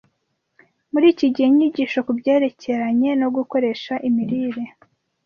Muri iki gihe, inyigisho ku byerekeranye no gukoresha imirire